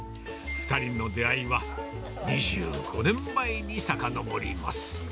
２人の出会いは２５年前にさかのぼります。